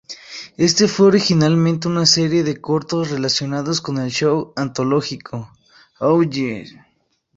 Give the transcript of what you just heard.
Este fue originalmente una serie de cortos relacionados con el show antológico, Oh Yeah!